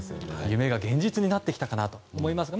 夢が現実になってきたかなと思いますね。